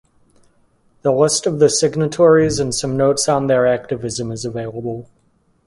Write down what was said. The list of the signatories and some notes on their activism is available.